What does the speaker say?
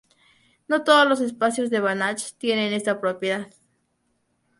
No todos los espacios de Banach tienen esta propiedad.